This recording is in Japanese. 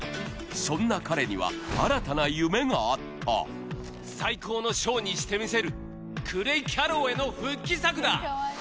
そんな彼には新たな夢があった最高のショーにしてみせるクレイ・キャロウェイの復帰作だ！